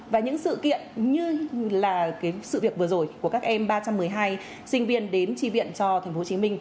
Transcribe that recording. và những sự kiện như là sự việc vừa rồi của các em ba trăm một mươi hai sinh viên đến tri viện cho tp hcm